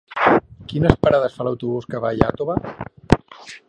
Quines parades fa l'autobús que va a Iàtova?